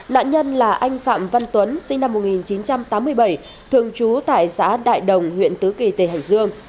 nạn nhân là anh phạm văn tuấn sinh năm một nghìn chín trăm tám mươi bảy thường trú tại xã đại đồng huyện tứ kỳ tỉnh hải dương